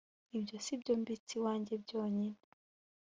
ibyo si byo mbitse iwanjye byonyin.,